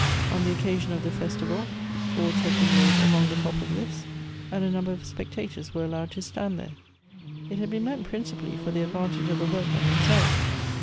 On the occasion of the festival, boards had been laid along the top of this, and a number of specta tors were allowed to stand there. It had been meant principally for the advantage of the workmen themselves.